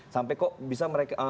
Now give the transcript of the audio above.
sampai kok bisa mereka